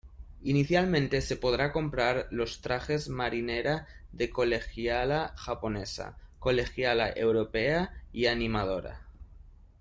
Inicialmente se podrá comprar los trajes marinera de colegiala japonesa, colegiala europea y animadora.